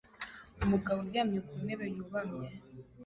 Umugabo uryamye ku ntebe yubamye